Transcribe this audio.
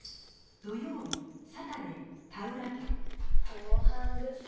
防犯グッズ